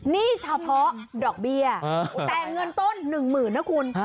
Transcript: นี่เฉพาะดอกเบี้ยแต่เงินต้น๑หมื่นนะคุณ